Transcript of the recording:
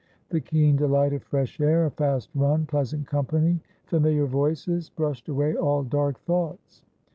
The keen delight of fresh air, a fast run, pleasant company, familiar voices, brushed away all dark thoughts.